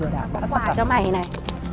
à có quả cho mày này